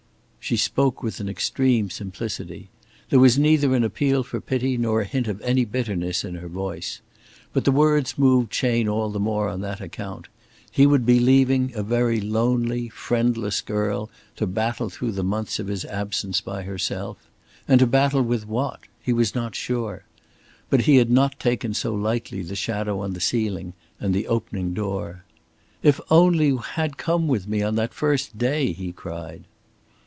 She spoke with an extreme simplicity. There was neither an appeal for pity nor a hint of any bitterness in her voice. But the words moved Chayne all the more on that account. He would be leaving a very lonely, friendless girl to battle through the months of his absence by herself; and to battle with what? He was not sure. But he had not taken so lightly the shadow on the ceiling and the opening door. "If only you had come with me on that first day," he cried.